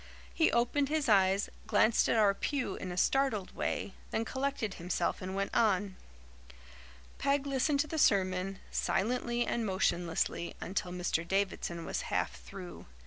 He opened his eyes, glanced at our pew in a startled way, then collected himself and went on. Peg listened to the sermon, silently and motionlessly, until Mr. Davidson was half through.